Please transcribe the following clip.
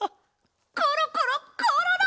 コロコロコロロ！